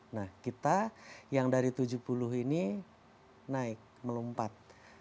nah kita yang dari tujuh puluh ini naik melompat